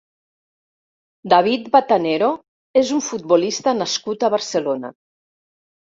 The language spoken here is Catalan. David Batanero és un futbolista nascut a Barcelona.